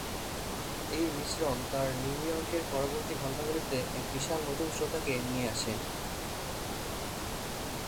এই মিশ্রন তার নিউ ইয়র্কের পরবর্তী ঘন্টাগুলিতে এক বিশাল নতুন শ্রোতাকে নিয়ে আসে।